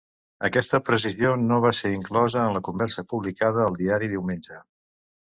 Aquesta precisió no va ser inclosa en la conversa publicada al diari diumenge.